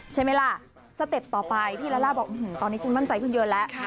ใช่ไหมล่ะสเต็ปต่อไปพี่ลาล่าบอกตอนนี้ฉันมั่นใจขึ้นเยอะแล้ว